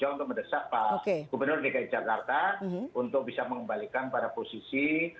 untuk mendesak pak gubernur dki jakarta untuk bisa mengembalikan pada posisi